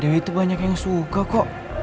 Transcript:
dewi tuh banyak yang suka kok